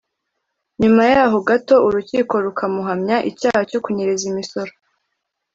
nyuma y’aho gato urukiko rukamuhamya icyaha cyo kunyereza imisoro